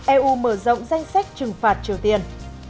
eu mở rộng danh sách trừng phạt triều tiên